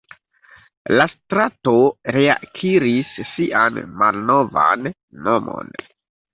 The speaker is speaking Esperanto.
La strato reakiris sian malnovan nomon.